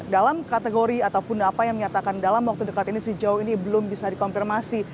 dalam kategori ataupun apa yang menyatakan dalam waktu dekat ini sejauh ini belum bisa dikonfirmasi